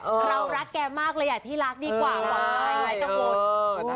เรารักแกมากระยะที่รักดีกว่า